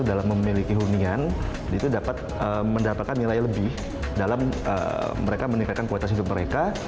dalam memiliki hunian itu dapat mendapatkan nilai lebih dalam mereka meningkatkan kualitas hidup mereka